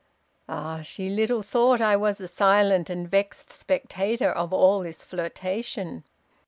"Ah! she little thought I was a silent and vexed spectator of all this flirtation.